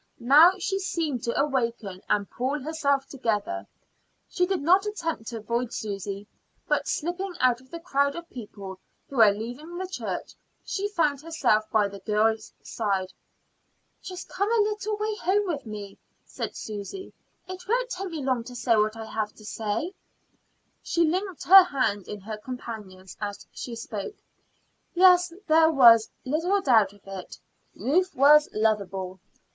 Now she seemed to awaken and pull herself together. She did not attempt to avoid Susy, but slipping out of the crowd of people who were leaving the church, she found herself by the girl's side. "Come just a little way home with me," said Susy. "It won't take me long to say what I want to say." She linked her hand in her companion's as she spoke. Yes, there was little doubt of it, Ruth was lovable.